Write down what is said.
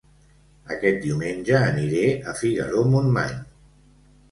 Aquest diumenge aniré a Figaró-Montmany